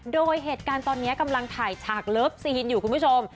โดยเหตุการณ์ตอนนี้กำลังถ่ายฉากเลิฟซีนอยู่คุณผู้ชม